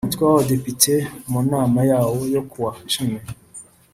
Umutwe w Abadepite mu nama yawo yo ku wa cumi